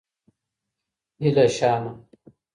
هیلهشانه